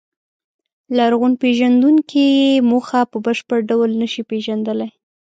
لرغونپېژندونکي یې موخه په بشپړ ډول نهشي پېژندلی.